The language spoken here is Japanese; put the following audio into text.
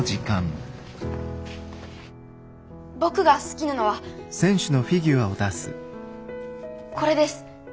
僕が好きなのはこれです。